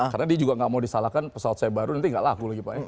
karena dia juga gak mau disalahkan pesawat saya baru nanti gak laku lagi pak ya